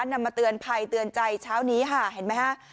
นำมาเตือนภัยเตือนใจเช้านี้ค่ะเห็นไหมฮะ